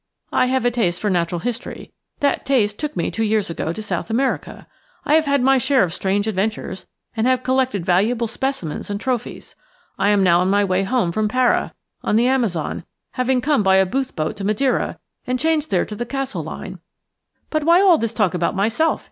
I have a taste for natural history; that taste took me two years ago to South America. I have had my share of strange adventures, and have collected valuable specimens and trophies. I am now on my way home from Para, on the Amazon, having come by a Booth boat to Madeira and changed there to the Castle Line. But why all this talk about myself?"